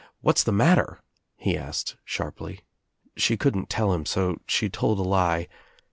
"What's the matter?" he asked sharply. She couldn't tell him so she told a lie.